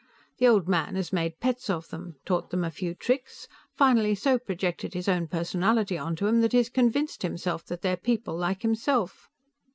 The old man has made pets of them, taught them a few tricks, finally so projected his own personality onto them that he has convinced himself that they are people like himself.